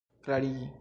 klarigi